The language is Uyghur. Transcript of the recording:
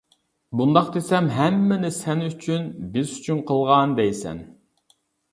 بۇنداق دېسەم، ھەممىنى سەن ئۈچۈن، بىز ئۈچۈن قىلغان دەيسەن.